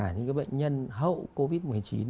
những cái bệnh nhân hậu covid một mươi chín